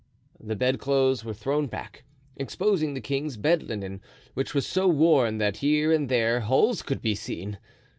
The bedclothes were thrown back, exposing the king's bed linen, which was so worn that here and there holes could be seen.